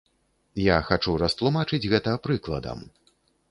Я хачу растлумачыць гэта прыкладам.